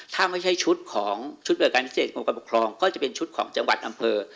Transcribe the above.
ถ้าไม่ใช่ชุดของชุดบริการพิเศษกรมการปกครองก็จะเป็นชุดของจังหวัดอำเภอ